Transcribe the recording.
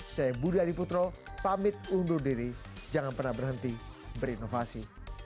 saya budi adiputro pamit undur diri jangan pernah berhenti berinovasi